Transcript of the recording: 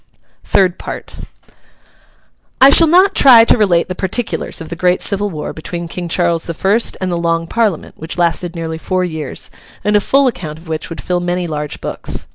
THIRD PART I shall not try to relate the particulars of the great civil war between King Charles the First and the Long Parliament, which lasted nearly four years, and a full account of which would fill many large books.